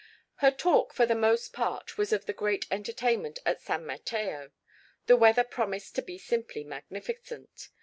Her talk for the most part was of the great entertainment at San Mateo. The weather promised to be simply magnificent.